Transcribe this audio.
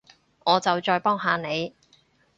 我就再幫下你